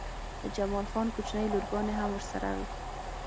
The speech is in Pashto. د جمال خان کوچنۍ لورګانې هم ورسره وې